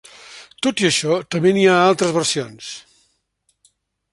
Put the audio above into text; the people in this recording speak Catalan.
Tot i això també n'hi ha altres versions.